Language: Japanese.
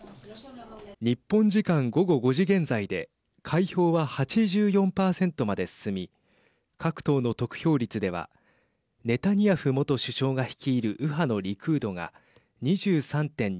日本時間午後５時現在で開票は８４％まで進み各党の得票率ではネタニヤフ元首相が率いる右派のリクードが２３．２１％。